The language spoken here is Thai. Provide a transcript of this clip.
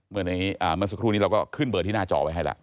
เมื่อสักครู่นี้เราก็ขึ้นเบอร์ที่หน้าจอไว้ให้แล้ว